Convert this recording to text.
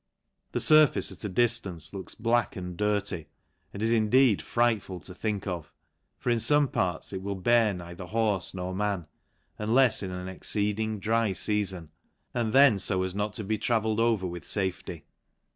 The furface, at a diftance, looks black and dirty, and is indeed frightful to think of ; for, in fome parts, it will bear neither horfe nor man, unlefs in an ex ceeding dry feafon, and then fo as not to. be travelled over with fafety.